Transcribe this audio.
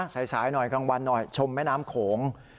สายหน่อยกลางวันหน่อยชมแม่น้ำโขง